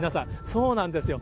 そうなんですよ。